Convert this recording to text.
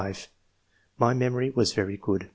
'* My memory was very good.